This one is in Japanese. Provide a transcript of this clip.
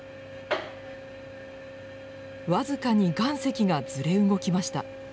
僅かに岩石がずれ動きました。